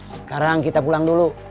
sekarang kita pulang dulu